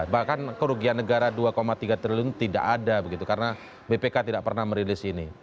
bahkan kerugian negara dua tiga triliun tidak ada begitu karena bpk tidak pernah merilis ini